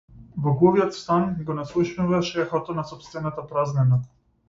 Во глувиот стан го наслушнуваш ехото на сопствената празнина.